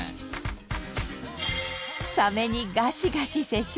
サメにガシガシ接触。